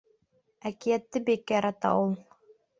Әкиәтте бик ярата ул.